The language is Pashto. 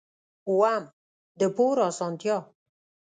اووم: د پور اسانتیا.